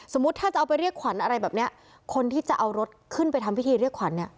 สมมุติถ้าจะเอาไปเรียกขวัญอะไรแบบเนี้ยคนที่จะเอารถขึ้นไปทำพิธีเรียกขวัญเนี่ย